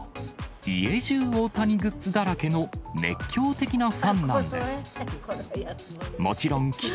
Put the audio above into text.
家じゅう、大谷グッズだらけの熱狂的なファンなんです。